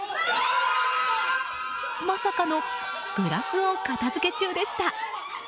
まさかのグラスを片付け中でした。